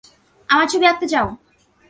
আমার ছবি আঁকতে চাও?